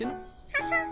ハハッ。